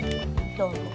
どうぞ。